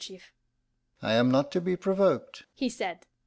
"I am not to be provoked," he said.